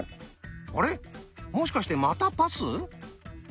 あれもしかしてまたパス？